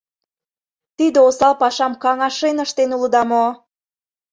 Тиде осал пашам каҥашен ыштен улыда мо?